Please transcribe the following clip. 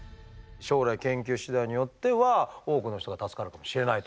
将来研究次第によっては多くの人が助かるかもしれないと。